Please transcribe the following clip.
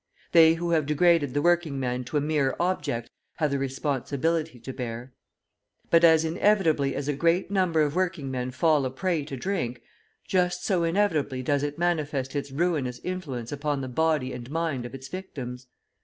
They who have degraded the working man to a mere object have the responsibility to bear. But as inevitably as a great number of working men fall a prey to drink, just so inevitably does it manifest its ruinous influence upon the body and mind of its victims.